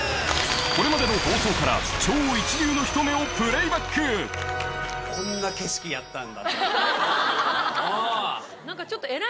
これまでの放送から超一流のひと目をプレイバックこんな景色やったんだと。